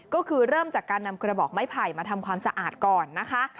ก็คือเริ่มจากการนำกระบอกไม้ไผ่มาทำความสะอาดก่อนนะคะ